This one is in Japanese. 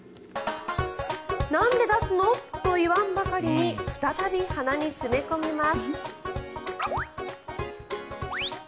なんで出すの？と言わんばかりに再び鼻に詰め込みます。